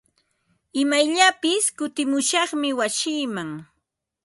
Imayllapis kutimushaqmi wasiiman.